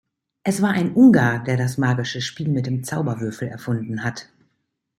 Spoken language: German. Es war ein Ungar, der das magische Spiel mit dem Zauberwürfel erfunden hat.